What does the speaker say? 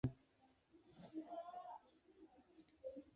இவைகளைக் கடந்தே உள்கோயில் செல்ல வேணும்.